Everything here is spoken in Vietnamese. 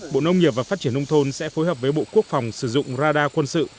bộ nông nghiệp và phát triển nông thôn sẽ phối hợp với bộ quốc phòng sử dụng radar quân sự